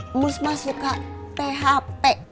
emus mah suka thp